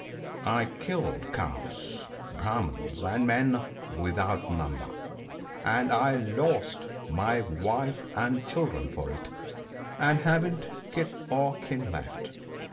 I killed cows, Brahmans, and men ( 15 ) without number — and I lost my wife and children for it — and haven't kith or kin left.